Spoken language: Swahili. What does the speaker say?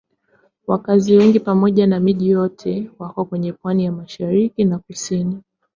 Wakazi wengi pamoja na miji yote wako kwenye pwani ya mashariki na kusini.